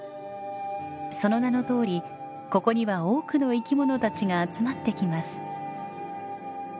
その名のとおりここには多くの生き物たちが集まってきます。